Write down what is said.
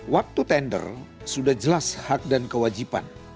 waktu tender sudah jelas hak dan kewajiban